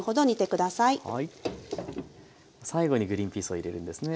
最後にグリンピースを入れるんですね。